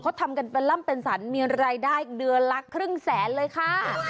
เขาทำกันเป็นล่ำเป็นสรรมีรายได้เดือนละครึ่งแสนเลยค่ะ